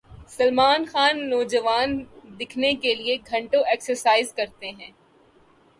سلمان خان نوجوان دکھنے کیلئے گھنٹوں ایکسرسائز کرتے ہیں